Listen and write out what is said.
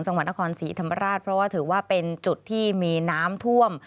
จังหวัดนครศรีธรรมราชเพราะว่าถือว่าเป็นจุดที่มีน้ำท่วม